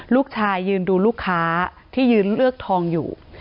ยืนดูลูกค้าที่ยืนเลือกทองอยู่